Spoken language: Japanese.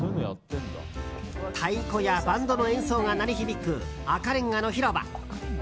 太鼓やバンドの演奏が鳴り響く赤レンガの広場。